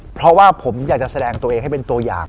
เพราะว่าผมอยากจะแสดงตัวเองให้เป็นตัวอย่าง